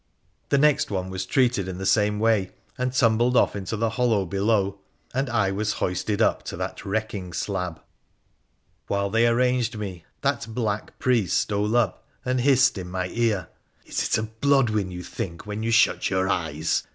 The next one was treated in the same way, and tumbled off into the hollow below, and I was hoisted up to that reeking slab. While they arranged me, that black priest stole up and hissed in my ear, ' Is it of Blodwen you think when you shut your eyes